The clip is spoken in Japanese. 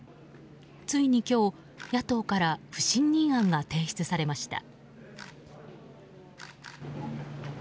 ついに今日、野党から不信任案が提出されました。